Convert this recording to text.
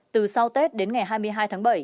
từ sau tết đến ngày hai mươi hai tháng bảy